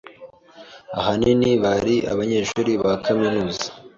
Ahanini bari abanyeshuri ba kaminuza.